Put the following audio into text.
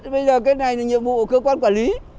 bây giờ cái này là nhiệm vụ của cơ quan quản lý